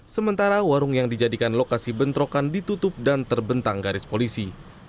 sementara warung yang dijadikan lokasi bentrokan ditutup dan terbentang garis polisi